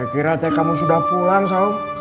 saya kira saya kamu sudah pulang saum